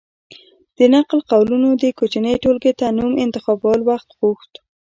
د نقل قولونو دې کوچنۍ ټولګې ته نوم انتخابول وخت وغوښت.